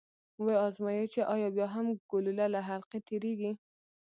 و ازمايئ چې ایا بیا هم ګلوله له حلقې تیریږي؟